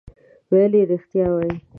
ویل یې رښتیا وایې.